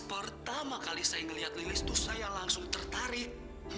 pertama kali saya melihat lilis itu saya langsung tertarik